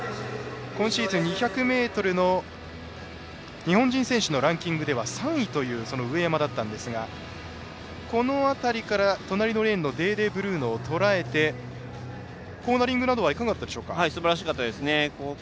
今シーズン２００ｍの日本人選手のランキングでは３位という上山だったんですがこの辺りから、隣のレーンのデーデーブルーノをとらえてコーナリングなどはいかがだったでしょうか。